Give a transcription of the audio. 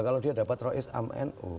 kalau dia dapat rokis am nu